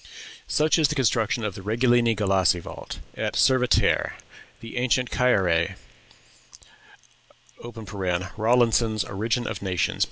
Such is the construction of the Regulini Galassi vault, at Cervetere, the ancient Cære." (Rawlinson's "Origin of Nations," p.